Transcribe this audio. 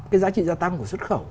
cái giá trị gia tăng của xuất khẩu